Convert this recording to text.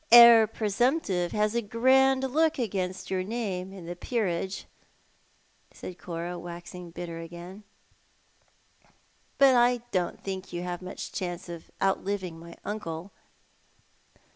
"Heir presumptive has a grand look against your name m the peerage," said Cora, waxing bitter again, "but I don't think you have much cliance of outliving my uncle."